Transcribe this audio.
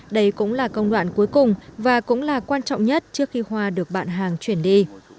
đây cũng là công đoạn cuối cùng và cũng là quan trọng nhất trước khi hoa được bạn hàng chuyển đi